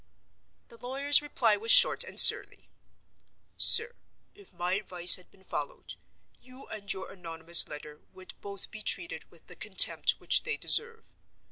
The lawyer's reply was short and surly: "SIR—If my advice had been followed, you and your anonymous letter would both be treated with the contempt which they deserve.